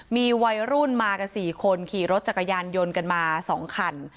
มีวัยรุ่นมากับสี่คนขี่รถจักรยานยนต์มาสองขัน